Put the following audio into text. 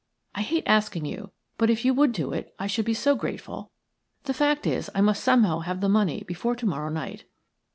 I hate asking you, but if you would do it I should be so grateful. The fact is, I must somehow have the money before to morrow night."